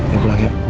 ya pulang ya